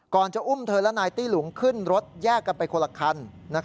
จะอุ้มเธอและนายตี้หลุงขึ้นรถแยกกันไปคนละคัน